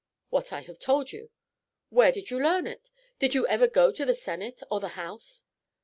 "What I have told you." "Where did you learn it? Do you ever go to the Senate or the House?"